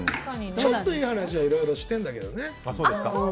ちょっといい話はいろいろしてるんだけどね。